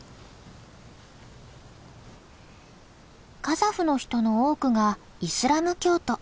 カザフの人の多くがイスラム教徒。